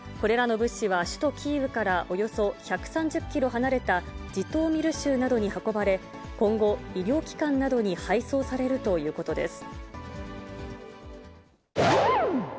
これらの物資は首都キーウからおよそ１３０キロ離れたジトーミル州などに運ばれ、今後、医療機関などに配送されるということです。